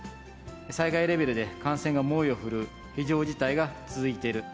災害レベルで感染が猛威を振るう、非常事態が続いている。